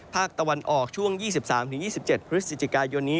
ภาคตะวันออกช่วง๒๓๒๗พฤศจิกายนนี้